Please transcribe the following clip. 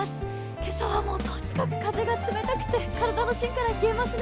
今朝はとにかく風が冷たくて、体の芯から冷えますね。